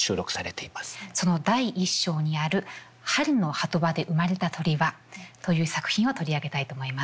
その第一章にある「春ノ波止場デウマレタ鳥ハ」という作品を取り上げたいと思います。